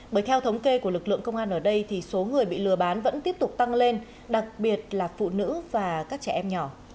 bởi theo thống kê của lực lượng công an ở đây thì số người bị lừa bán vẫn tiếp tục tăng lên đặc biệt là phụ nữ và các trẻ em nhỏ